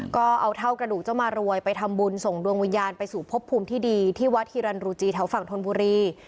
ก็เอาเท่ากระดูกเจ้ามารวยไปทำบุญส่งดวงวิญญาณไปสู่พบภูมิที่ดีที่วัดฮิรันรูจีแถวฝั่งธนบุรี